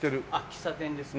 喫茶店ですか。